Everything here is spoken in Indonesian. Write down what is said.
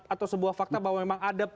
atau sebuah fakta bahwa memang ada